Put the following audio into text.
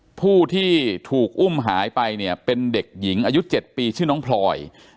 ผู้ที่ถูกอุ้มหายไปเนี่ยเป็นเด็กหญิงอายุ๗ปีชื่อน้องพลอย